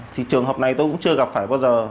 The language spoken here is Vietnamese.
thì trường hợp này tôi cũng chưa gặp phải bao giờ